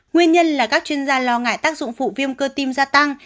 nguyên nhân là các chuyên gia lo ngại tác dụng phụ viêm cơ tim gia tăng